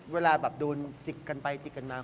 เวลาแบบโดนจิกกันไปจิกกันมา